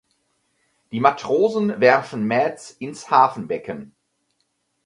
Die Matrosen werfen Mads ins Hafenbecken.